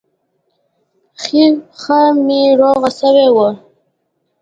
ښۍ پښه مې روغه سوې وه.